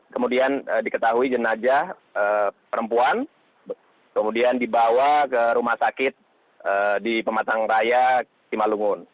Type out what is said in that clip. kemudian diketahui jenazah perempuan kemudian dibawa ke rumah sakit di pematang raya simalungun